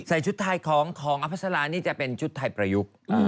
ชุดไทยของอภัสรานี่จะเป็นชุดไทยประยุกต์